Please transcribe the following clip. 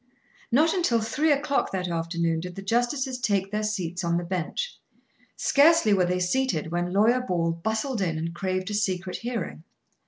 Not until three o'clock that afternoon did the justices take their seats on the bench. Scarcely were they seated when Lawyer Ball bustled in and craved a secret hearing.